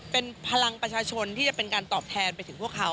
เป็นพลังประชาชนที่จะเป็นการตอบแทนไปถึงพวกเขา